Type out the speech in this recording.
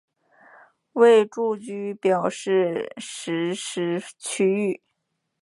为住居表示实施区域。